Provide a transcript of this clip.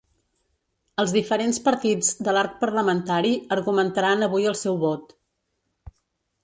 Els diferents partits de l’arc parlamentari argumentaran avui el seu vot.